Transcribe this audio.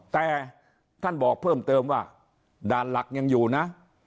แต่ท่านบอกเพิ่มเติมว่าด่านหลักยังอยู่นะ